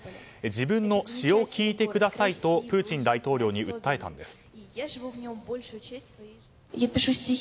自分の詩を聞いてくださいとプーチン大統領に訴えたんです。